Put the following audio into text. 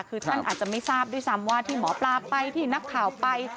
คือท่านอาจจะไม่ทราบด้วยซ้ำว่าที่หมอปลาไปที่นักข่าวไป